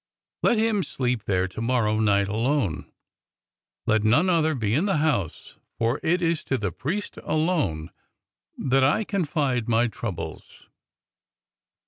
Let him sleep there to morrow night alone. Let none other be in the house, for it is to the priest alone that I can confide my trou bles.